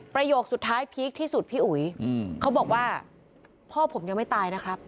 ประโยคสุดท้ายพีคที่สุดพี่อุ๋ยเขาบอกว่าพ่อผมยังไม่ตายนะครับ